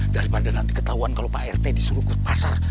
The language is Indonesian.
daripada nanti ketahuan kalau pak rt disuruh ke pasar